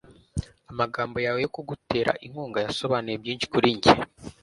Amagambo yawe yo kugutera inkunga yasobanuye byinshi kuri njye.